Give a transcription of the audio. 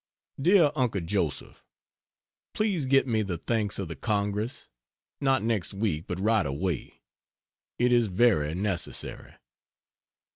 DEAR UNCLE JOSEPH, Please get me the thanks of the Congress not next week but right away. It is very necessary.